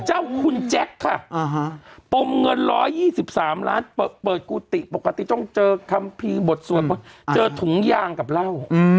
เจ้าคุณแจ๊คค่ะปมเงิน๑๒๓ล้านเปิดกุฏิปกติต้องเจอคัมภีร์บทสวดบทเจอถุงยางกับเหล้า